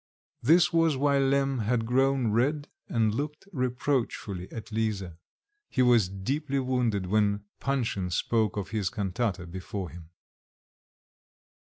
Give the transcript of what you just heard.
This was why Lemm had grown red, and looked reproachfully at Lisa; he was deeply wounded when Panshin spoke of his cantata before him.